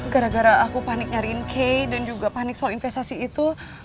gara gara aku panik nyariin k dan juga panik soal investasi itu